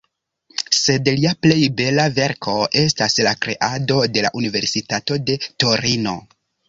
Sed lia plej bela verko estas la kreado de la universitato de Torino.